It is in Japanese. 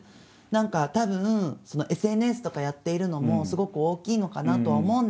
何かたぶんＳＮＳとかやっているのもすごく大きいのかなとは思うんですけど。